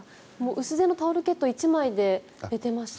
薄手のタオルケット１枚で寝ていました。